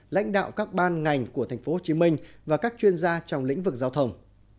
lãnh đạo các ban ngành của tp hcm và các chuyên gia trong lĩnh vực giao thông